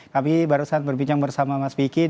kami baru saat berbincang bersama mas vicky